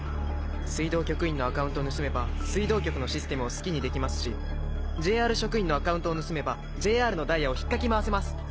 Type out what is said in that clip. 水道局員のアカウントを盗めば水道局のシステムを好きにできますしＪＲ職員のアカウントを盗めばＪＲのダイヤをひっかき回せます。